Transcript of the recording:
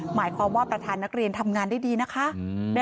หมายความว่าประธานนักเรียนทำงานได้ดีนะคะ